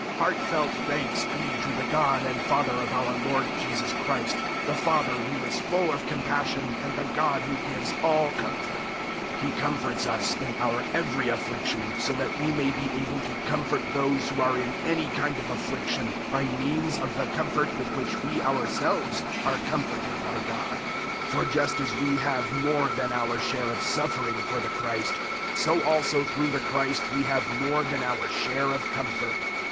001:003 Heartfelt thanks be to the God and Father of our Lord Jesus Christ the Father who is full of compassion and the God who gives all comfort. 001:004 He comforts us in our every affliction so that we may be able to comfort those who are in any kind of affliction by means of the comfort with which we ourselves are comforted by God. 001:005 For just as we have more than our share of suffering for the Christ, so also through the Christ we have more than our share of comfort.